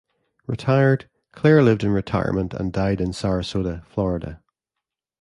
Retired, Clair lived in retirement and died in Sarasota, Florida.